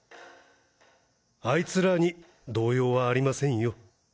あいつらに動揺はありませんよ。